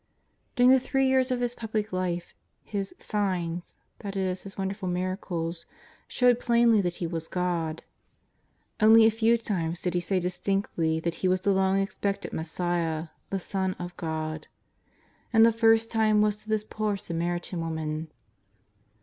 During the three years of His Public Life His " signs," that is His wonderful miracles, showed plainly that He was God. Only a few times did He say dis tinctly that He was the long expected Messiah, the Son of God. And the first time was to this poor Samaritan woman.